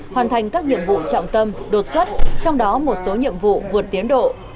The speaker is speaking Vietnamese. hoàn thành các nhiệm vụ trọng tâm đột xuất trong đó một số nhiệm vụ vượt tiến độ